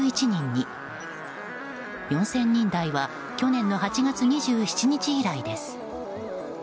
４０００人台は去年の８月２７日以来です。